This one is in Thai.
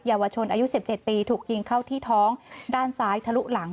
เยาวชนอายุ๑๗ปีถูกยิงเข้าที่ท้องด้านซ้ายทะลุหลัง